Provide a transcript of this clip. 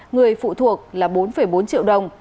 người phụ thuộc là bốn bốn triệu đồng